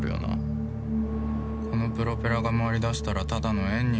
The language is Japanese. このプロペラが回りだしたらただの円に見えるように。